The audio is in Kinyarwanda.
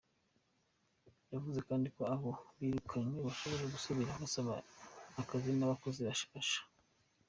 Yavuze kandi ko abo birukanywe bashobora gusubira gusaba akazi nk'abakozi bashasha.